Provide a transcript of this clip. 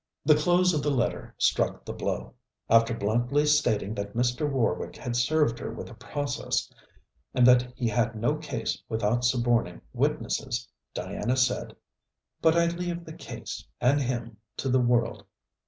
The close of the letter struck the blow. After bluntly stating that Mr. Warwick had served her with a process, and that he had no case without suborning witnesses, Diana said: 'But I leave the case, and him, to the world.